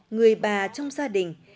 người bà trong gia đình